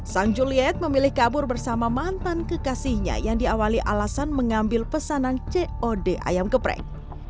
sang juliet memilih kabur bersama mantan kekasihnya yang diawali alasan mengambil pesanan cod ayam geprek